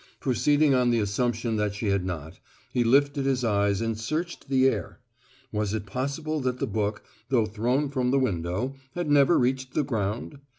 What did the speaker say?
Proceeding on the assumption that she had not, he lifted his eyes and searched the air. Was it possible that the book, though thrown from the window, had never reached the ground?